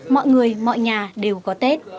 mọi người mọi nhà đều có tết